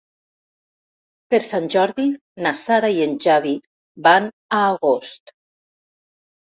Per Sant Jordi na Sara i en Xavi van a Agost.